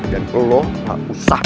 dan lo gak usah